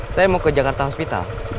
saya mau ke jakarta hospital